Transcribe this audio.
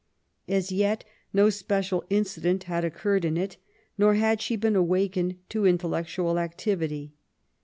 As yet no special incident had occurred in it, nor had she been awakened to intellectual activity.